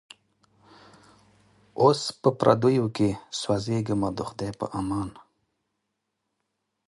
اوس په پردیو کي سوځېږمه د خدای په امان